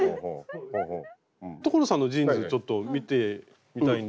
所さんのジーンズちょっと見てみたいんですけど。